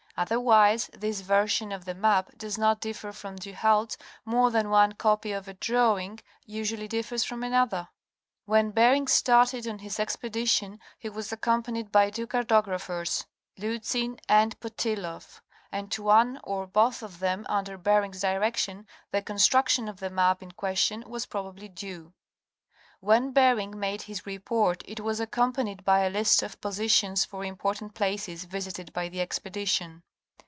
Otherwise this version of the map does not differ from Du Halde's, more than one copy of a drawing usually differs from another. When Bering started on his expedition he was accompanied by two cartographers (Bergh, First Voy. of the Russ. pp. 2 5, fide Lauridsen) Luzhin and Potiloff, and to one or both of them under Bering's direction the construction of the map in question was probably due. When Bering made his report it was accompanied by a list of posi tions for important places visited by the Expedition.